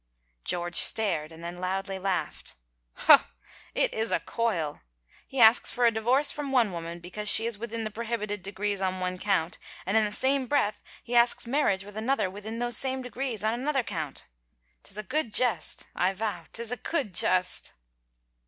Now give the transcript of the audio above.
George stared, and then loudly laughed, "Ho — it is a coil 1 He asks for a divorce from one woman because she is within the prohibited degrees on one count and in the same breath he asks marriage with another within those same degrees on another count. Tis a good jest — I vow, 'tis a good jest